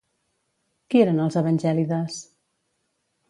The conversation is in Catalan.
Qui eren els Evangèlides?